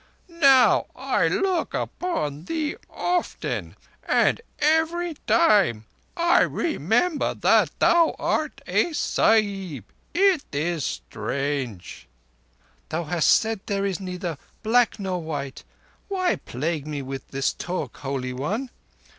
Now I look upon thee often, and every time I remember that thou art a Sahib. It is strange." "Thou hast said there is neither black nor white. Why plague me with this talk, Holy One?